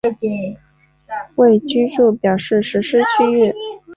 为住居表示实施区域。